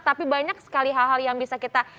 tapi banyak sekali hal hal yang bisa kita